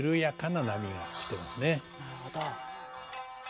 なるほど。